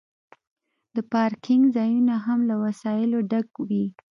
د پارکینګ ځایونه هم له وسایلو ډک وي